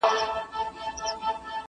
چي اسمان پر تندي څه درته لیکلي!!